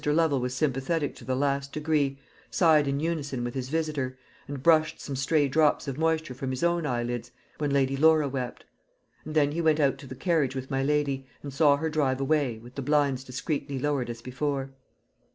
Lovel was sympathetic to the last degree sighed in unison with his visitor, and brushed some stray drops of moisture from his own eyelids when Lady Laura wept. And then he went out to the carriage with my lady, and saw her drive away, with the blinds discreetly lowered as before.